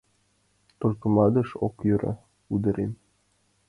Только мландыш ок йӧрӧ, ӱдырем.